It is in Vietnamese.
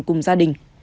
cùng gia đình